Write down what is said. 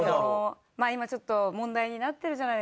今ちょっと問題になってるじゃないですか